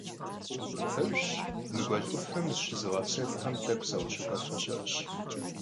Pejjş, mı guel 'ufem zışızığepsexuxem t'ek'u sakhışıxuefe şı'eş.